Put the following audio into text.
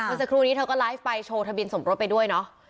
สักครู่นี้เธอก็ไลฟ์ไปโชว์ทะเบียนสมรสไปด้วยเนาะ